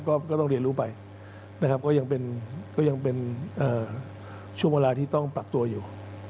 ก็ต้องเรียนรู้ไปนะครับก็ยังเป็นช่วงเวลาที่ต้องปรับตัวอยู่